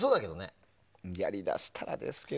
やり出したらですけど。